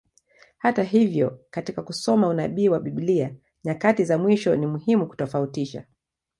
Hata hivyo, katika kusoma unabii wa Biblia nyakati za mwisho, ni muhimu kutofautisha.